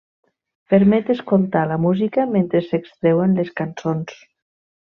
Permet escoltar la música mentre s'extreuen les cançons.